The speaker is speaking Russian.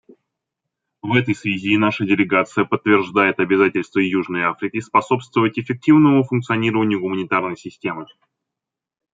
В этой связи наша делегация подтверждает обязательство Южной Африки способствовать эффективному функционированию гуманитарной системы.